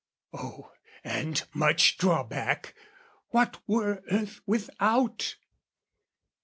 Oh, and much drawback! what were earth without?